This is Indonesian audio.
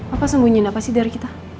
apa sembunyiin apa sih dari kita